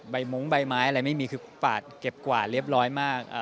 มุ้งใบไม้อะไรไม่มีคือปาดเก็บกว่าเรียบร้อยมาก